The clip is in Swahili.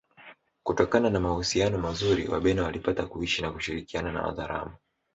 Kutokana na mahusiano mazuri Wabena walipata kuishi na kushirikiana na Wazaramo